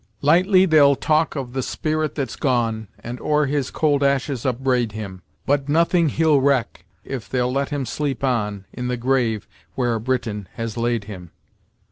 "Lightly they'll talk of the spirit that's gone, And o'er his cold ashes upbraid him; But nothing he'll reck, if they'll let him sleep on, In the grave where a Briton has laid him."